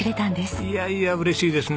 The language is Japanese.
いやいや嬉しいですね。